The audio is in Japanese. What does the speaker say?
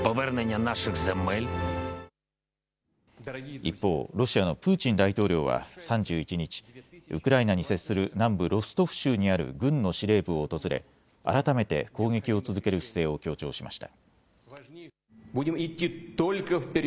一方、ロシアのプーチン大統領は３１日、ウクライナに接する南部ロストフ州にある軍の司令部を訪れ、改めて攻撃を続ける姿勢を強調しました。